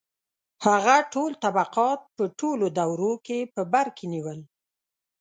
• هغه ټول طبقات په ټولو دورو کې په بر کې نیول.